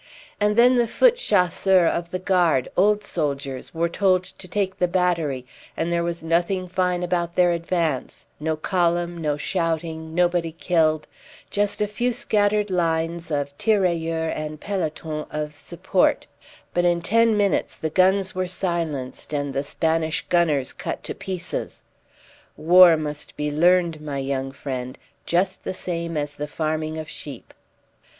And then the foot chasseurs of the Guard, old soldiers, were told to take the battery; and there was nothing fine about their advance no column, no shouting, nobody killed just a few scattered lines of tirailleurs and pelotons of support; but in ten minutes the guns were silenced, and the Spanish gunners cut to pieces. War must be learned, my young friend, just the same as the farming of sheep."